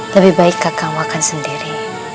lebih baik kakak makan sendiri